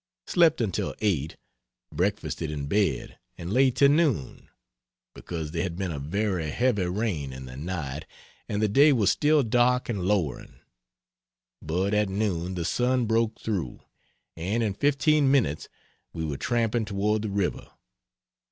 Slept until 8, breakfasted in bed, and lay till noon, because there had been a very heavy rain in the night and the day was still dark and lowering. But at noon the sun broke through and in 15 minutes we were tramping toward the river.